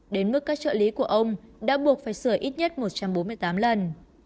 đến mức các trợ lý của ông đã buộc phải sửa ít nhất một trăm bốn mươi tám lần